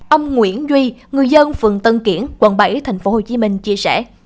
ông nguyễn duy người dân phường tân kiển quận bảy tp hcm chia sẻ